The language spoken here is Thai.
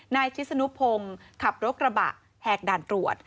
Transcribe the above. ชิสนุพงศ์ขับรถกระบะแหกด่านตรวจ